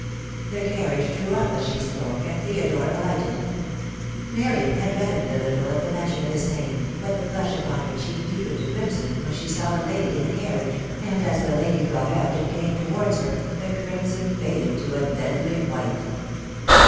The carriage drew up as she spoke, and Theodore alighted. Marian had reddened a little at the mention 144 THE DAY WILL come. of his name, but the flush upon her cheek deepened to crimson when she saw the lady in the carriage, and as the lady got out and came towards her the crimson faded to a deadly white.